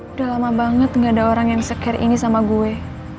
udah lama banget gak ada orang yang secare ini sama gue